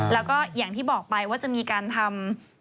แล้วก็อย่างที่บอกไปว่าจะมีการทำ